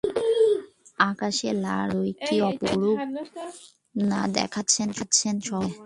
আকাশের লাল আলোয় কী অপূর্বই না দেখাচ্ছে শহরটাকে!